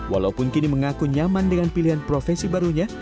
walaupun kini mengaku nyaman dengan pilihan profesi barunya